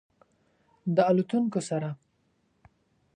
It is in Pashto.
د الوتونکو سره